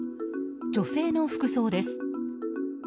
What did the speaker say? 女性の服装です。